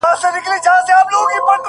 • استادان مي زندانونو ته لېږلي ,